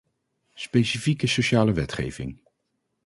Specifieke sociale wetgeving.